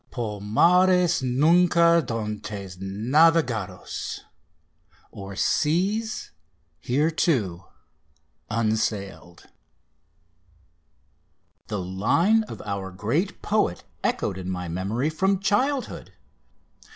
Por mares nunca d'antes navegados! (O'er seas hereto unsailed.) The line of our great poet echoed in my memory from childhood.